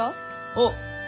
あっ！